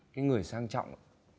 cái người sang trọng